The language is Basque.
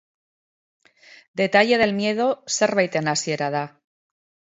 Detalle del miedo zerbaiten hasiera da.